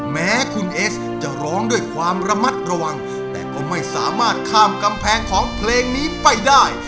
แม้คุณเอสจะร้องด้วยความระมัดระวังแต่ก็ไม่สามารถข้ามกำแพงของเพลงนี้ไปได้